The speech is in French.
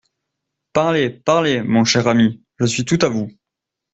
Parlez, parlez, mon cher ami, je suis tout à vous…